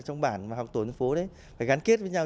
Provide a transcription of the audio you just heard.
trong bản mà học tổ dân phố đấy phải gắn kết với nhau